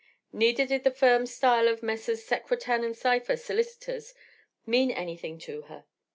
Neither did the firm style of Messrs. Secretan & Sypher, Solicitors, mean anything to her.